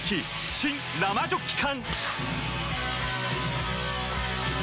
新・生ジョッキ缶！